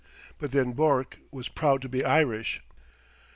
But then Bourke was proud to be Irish.